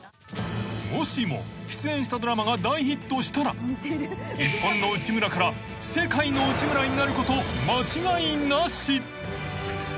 ［もしも出演したドラマが大ヒットしたら日本の内村から世界の内村になること間違いなし］